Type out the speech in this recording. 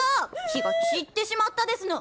気が散ってしまったですの！